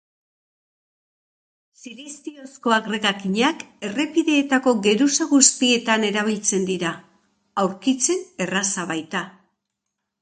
Siliziozko agregakinak errepideetako geruza guztietan erabiltzen dira, aurkitzen erraza baita.